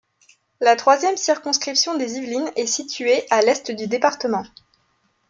La troisième circonscription des Yvelines est située à l'est du département.